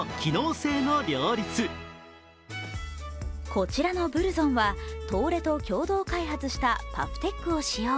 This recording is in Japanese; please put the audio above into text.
こちらのブルゾンは、東レと共同開発したパフテックを使用。